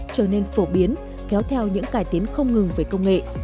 trở nên phổ biến kéo theo những cải tiến không ngừng về công nghệ